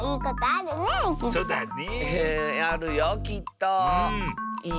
あるよきっといい。